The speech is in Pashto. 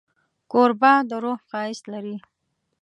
کوربه د روح ښایست لري.